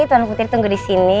tuan putri tunggu di sini